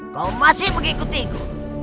kau masih mengikutiku